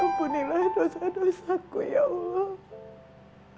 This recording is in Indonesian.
ampunilah dosa dosaku ya allah